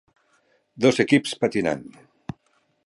Dos equips patinant.